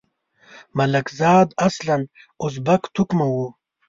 ملکزاد اصلاً ازبک توکمه وو.